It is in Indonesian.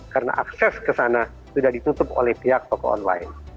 karena akses ke sana sudah ditutup oleh pihak toko online